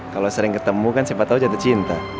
kalau sering ketemu kan siapa tahu jatuh cinta